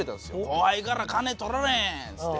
「後輩から金取られへん」っつって。